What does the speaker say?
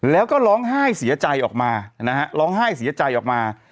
แล้วก็ร้องไห้เสียใจออกมานะฮะร้องไห้เสียใจออกมา